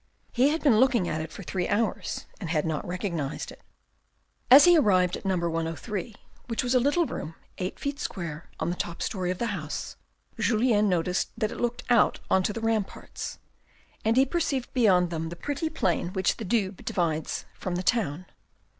He had been looking at it for three hours and had not recognised it. As he arrived at No. 103, which was a little room eight feet square on the top story of the house, Julien noticed that it looked out on to the ramparts, and he perceived beyond them the pretty plain which the Doubs divides from the town.